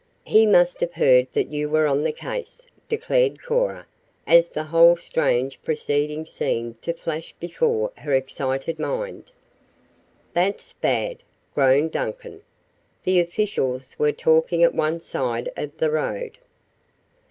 He must have heard that you were on the case," declared Cora, as the whole strange proceeding seemed to flash before her excited mind. "That's bad!" groaned Duncan. The officials were talking at one side of the road.